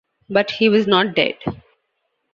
But he was not dead.